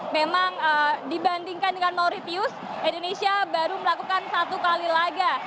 memang dibandingkan dengan mauritius indonesia baru melakukan satu kali laga